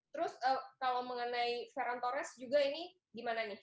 terus kalau mengenai ferran torres juga ini gimana nih